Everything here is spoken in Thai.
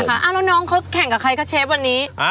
แล้วน้องเขาแข่งกับใครคะเชฟวันนี้